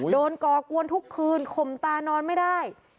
ก่อกวนทุกคืนข่มตานอนไม่ได้